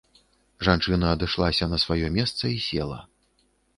Жанчына адышлася на сваё месца і села.